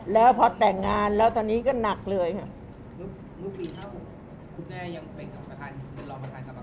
แล้วพอแต่งงานแล้วตอนนี้ก็หนักเลยค่ะ